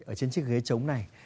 ở trên chiếc ghế trống này